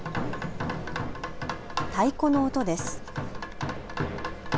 太鼓の音です。